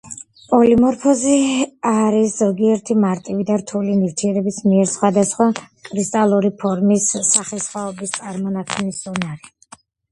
პოლიმორფიზმი არის ზოგიერთი მარტივი და რთული ნივთიერების მიერ სხვადასხვა კრისტალური ფორმის სახესხვაობის წარმოქმნის უნარი.